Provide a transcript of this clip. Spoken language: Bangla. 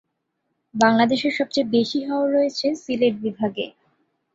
বাংলাদেশে সবচেয়ে বেশি হাওর রয়েছে সিলেট বিভাগে।